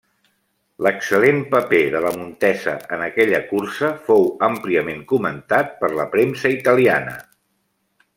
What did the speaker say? L'excel·lent paper de la Montesa en aquella cursa fou àmpliament comentat per la premsa italiana.